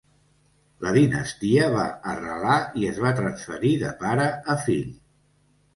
La dinastia va arrelar i es va transferir de pare a fill.